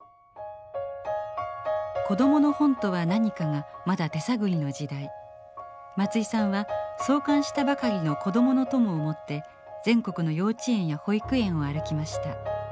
子どもの本とは何かがまだ手探りの時代松居さんは創刊したばかりの「こどものとも」を持って全国の幼稚園や保育園を歩きました。